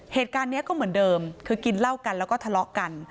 เหตุการณ์นี้ก็เหมือนเดิมคือกินเหล้ากันแล้วก็ทะเลาะกัน